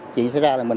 chỉ ra là mình